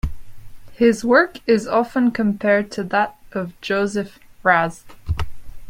His work is often compared to that of Joseph Raz.